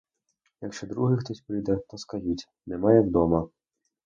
Якщо другий хто прийде, то скажіть — немає вдома!